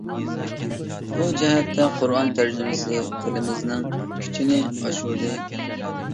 بۇ جەھەتتە قۇرئان تەرجىمىسى تىلىمىزنىڭ كۈچىنى ئاشۇردى.